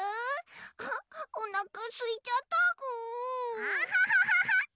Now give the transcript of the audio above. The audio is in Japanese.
あっおなかすいちゃったぐ。